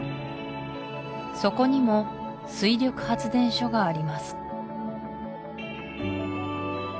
そこにも水力発電所があります